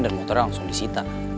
dan motornya langsung disita